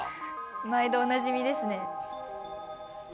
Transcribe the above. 毎度おなじみですね。